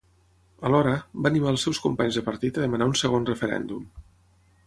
Alhora, va animar els seus companys de partit a demanar un segon referèndum.